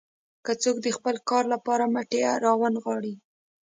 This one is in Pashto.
که څوک د خپل کار لپاره مټې راونه نغاړي.